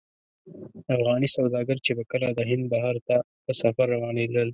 افغاني سوداګر چې به کله د هند بحر ته په سفر روانېدل.